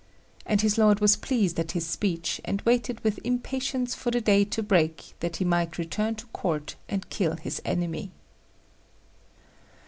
And his lord was pleased at this speech, and waited with impatience for the day to break, that he might return to Court and kill his enemy.